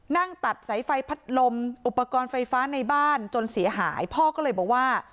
นั่งตัดสายไฟพัดลมอุปกรณ์ไฟฟ้าในบ้านจนเสียหายพ่อก็เลยบอกว่า